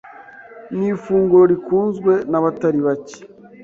Ni ifunguro rikunzwe n’abatari bacye.